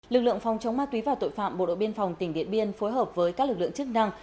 lực lượng phòng chống ma túy và tội phạm bộ đội biên phòng tỉnh điện biên phối hợp với các lực lượng chức năng